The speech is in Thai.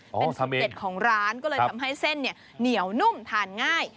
เป็นสูตรเด็ดของร้านก็เลยทำให้เส้นเนี่ยเหนียวนุ่มทานง่าย